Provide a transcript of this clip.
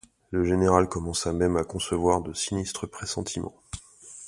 Le général commença même à concevoir de sinistres pressentiments.